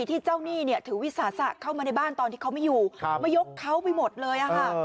ที่เจ้าหนี้เนี่ยถือวิสาสะเข้ามาในบ้านตอนที่เขาไม่อยู่มายกเขาไปหมดเลยค่ะ